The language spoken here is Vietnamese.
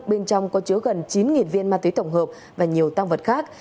bên trong có chứa gần chín viên ma túy tổng hợp và nhiều tăng vật khác